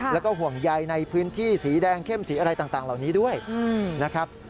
แล้วก็ห่วงใยในพื้นที่สีแดงเข้มสีอะไรต่างเหล่านี้ด้วยนะครับ